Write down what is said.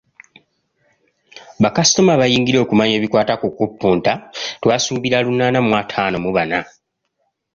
Bakasitoma abayingira okumanya ebikwata ku kupunta twasuubira lunaana mu ataano mu bana.